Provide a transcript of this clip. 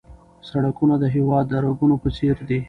سړکونه د هېواد د رګونو په څېر دي.